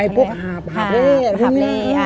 พวกหาบหาบเล่